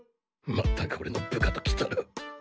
まったくオレの部下ときたら。